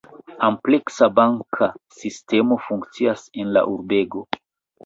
Ampleksa banka sistemo funkcias en la urbego.